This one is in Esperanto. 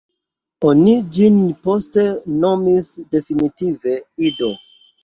Oni ĝin poste nomis definitive "Ido".